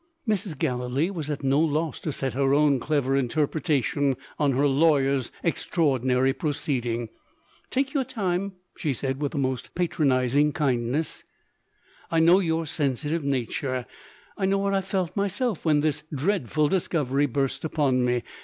Mrs. Galilee was at no loss to set her own clever interpretation on her lawyer's extraordinary proceeding. "Take your time," she said with the most patronising kindness. "I know your sensitive nature; I know what I felt myself when this dreadful discovery burst upon me.